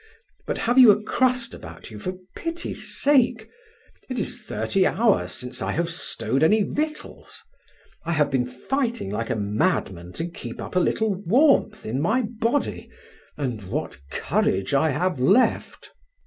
But have you a crust about you, for pity's sake? It is thirty hours since I have stowed any victuals. I have been fighting like a madman to keep up a little warmth in my body and what courage I have left."